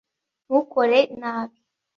ntukore nabi